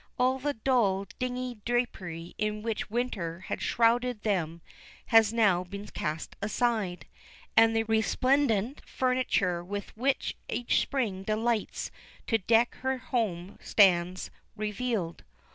All the dull, dingy drapery in which winter had shrouded them has now been cast aside, and the resplendent furniture with which each spring delights to deck her home stands revealed.